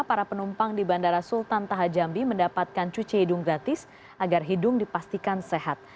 para penumpang di bandara sultan taha jambi mendapatkan cuci hidung gratis agar hidung dipastikan sehat